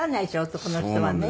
男の人はね。